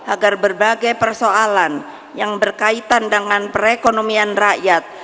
agar berbagai persoalan yang berkaitan dengan perekonomian rakyat